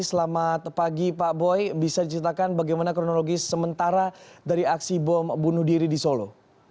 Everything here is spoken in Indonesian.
selamat pagi pak boy bisa diceritakan bagaimana kronologi sementara dari aksi bom bunuh diri di solo